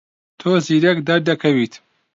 تۆ زیرەک دەردەکەویت.